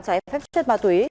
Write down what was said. trái phép chất ma túy